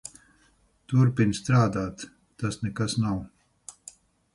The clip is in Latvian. Turpini strādāt. Tas nekas nav.